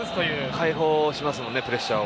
開放しますよねプレッシャーを。